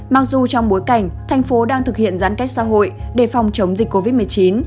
mặc dù trong bối cảnh thành phố đang thực hiện giãn cách xã hội để phòng chống dịch covid một mươi chín